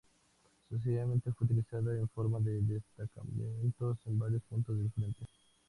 Sucesivamente fue utilizada en forma de destacamentos en varios puntos del frente.